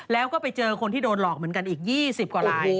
แล้วก็ไปเจอคนที่โดนหลอกเหมือนกันอีก๒๐กว่าลาย